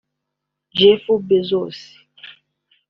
Jeff Bezos